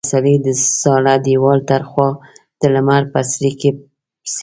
هر سړي د زاړه دېوال تر خوا د لمر په څړیکې پسې.